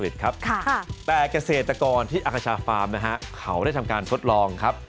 แต่เกษตรกรที่อาคชาฟาร์มนะฮะเขาได้ทำการทดลองครับ